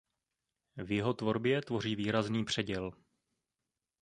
V jeho tvorbě tvoří výrazný předěl.